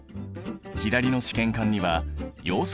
左の試験管にはヨウ素